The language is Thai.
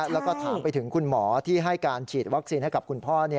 แล้วก็ถามไปถึงคุณหมอที่ให้การฉีดวัคซีนให้กับคุณพ่อ